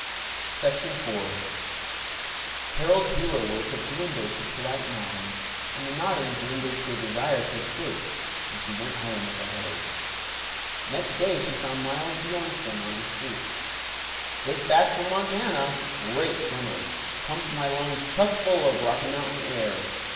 IV Carol's hero worship dwindled to polite nodding, and the nodding dwindled to a desire to escape, and she went home with a headache. Next day she saw Miles Bjornstam on the street. "Just back from Montana. Great summer. Pumped my lungs chuck full of Rocky Mountain air.